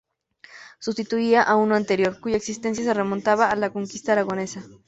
Sustituía a uno anterior, cuya existencia se remontaba a la conquista aragonesa.